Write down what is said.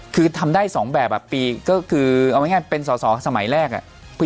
คือทำได้สองแบบอ่ะปีก็คือเอาไว้ง่ายเป็นสอสอสมัยแรกอ่ะ